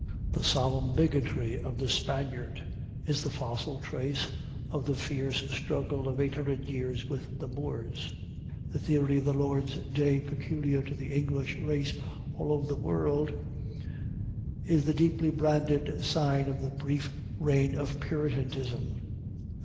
The solemn bigotry of the Spaniard is the fossil trace of the fierce struggle of eight hundred years with the Moors. The theory of the Lord's day peculiar to the English race all over the world is the deeply branded sign of the brief reign of Puritanism.